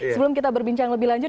sebelum kita berbincang lebih lanjut